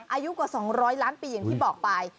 อายุกว่า๒๐๐ล้านปีอย่างที่บอกไป